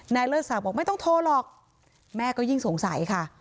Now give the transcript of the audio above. เลิศศักดิ์บอกไม่ต้องโทรหรอกแม่ก็ยิ่งสงสัยค่ะ